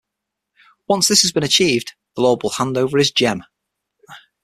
Once this has been achieved, the lord will hand over his gem.